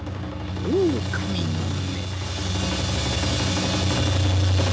オオカミの目だ。